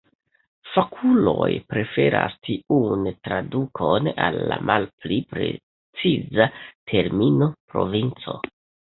Fakuloj preferas tiun tradukon al la malpli preciza termino provinco.